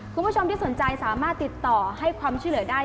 คุณผู้ชมที่สนใจสามารถติดต่อให้ความช่วยเหลือได้